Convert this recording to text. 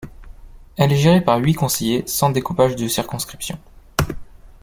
Elle est gérée par huit conseillers sans découpage de circonscriptions.